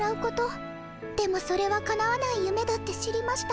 でもそれはかなわないゆめだって知りました。